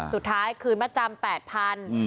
สุดท้ายคืนมาจำ๘๐๐๐